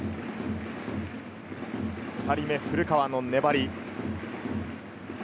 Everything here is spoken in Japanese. ２人目、古川の粘り。